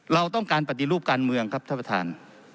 เราต้องการปฏิรูปการเมืองครับท่านประธาน